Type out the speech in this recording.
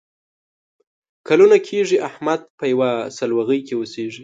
کلونه کېږي احمد په یوه سوغلۍ کې اوسېږي.